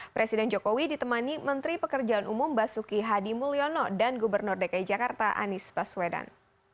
presiden jokowi ditemani menteri pekerjaan umum basuki hadi mulyono dan gubernur dki jakarta anies baswedan